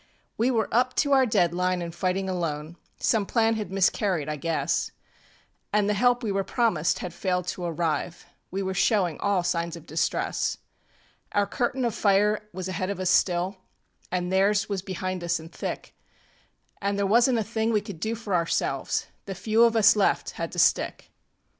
We were up to our dead line anŌĆÖ fighting alone; Some plan had miscarried, I guess, And the help we were promised had failed to arrive. We were showing all signs of distress. ŌĆ£Our curtain of fire was ahead of us still, AnŌĆÖ theirs was behind us anŌĆÖ thick, AnŌĆÖ there wasnŌĆÖt a thing we could do for ourselves The few of us left had to stick.